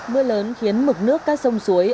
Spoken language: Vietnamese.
mưa lớn khiến mực nước các sông suối